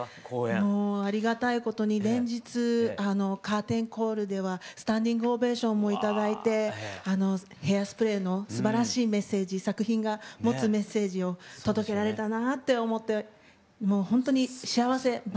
もうありがたいことに連日カーテンコールではスタンディングオベーションも頂いて「ヘアスプレー」のすばらしいメッセージ作品が持つメッセージを届けられたなって思ってもうほんとに幸せ毎回でした。